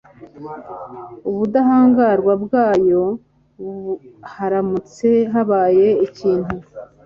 ubudahangarwa bwayo haramutse habaye ikintu